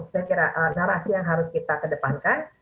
saya kira narasi yang harus kita kedepankan